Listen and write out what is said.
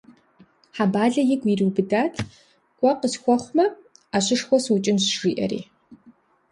Хьэбалэ и гум ириубыдат, къуэ къысхуэхъумэ, ӏэщышхуэ сыукӏынщ жиӏэри.